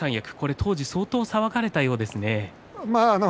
当時相当騒がれたそうですね。